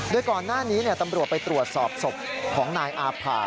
โดยก่อนหน้านี้ตำรวจไปตรวจสอบศพของนายอาผ่า